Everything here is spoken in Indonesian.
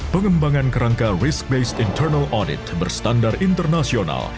pengembangan kerangka risk based internal audit berstandar internasional